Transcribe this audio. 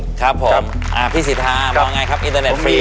มันง่ายขึ้นครับผมอ่าพี่สิทธาว่าไงครับอินเทอร์เน็ตฟรี